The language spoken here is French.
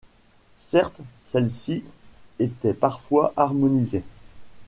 Certes celle-ci était parfois harmonisée.